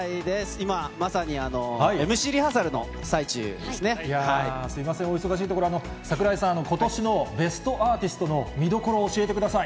今、まさに、ＭＣリハーサルの最すみません、お忙しいところ、櫻井さん、ことしのベストアーティストの見どころを教えてください。